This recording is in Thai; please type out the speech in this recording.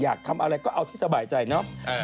อยากทำอะไรก็เอาที่สบายใจเนาะ